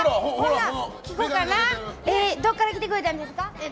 どこから来てくれたんですか？